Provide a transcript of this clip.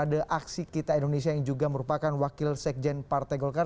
ada aksi kita indonesia yang juga merupakan wakil sekjen partai golkar